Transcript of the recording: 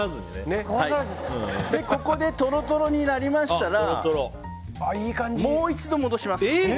ここでトロトロになりましたらもう一度、戻します。